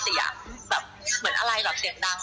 ได้ยินเสียงเสียงดัง